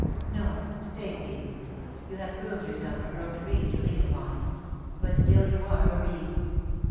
" No, stay^ please. You have proved yourself a broken reed to lean upon; but still you are a reed.''